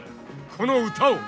この歌を！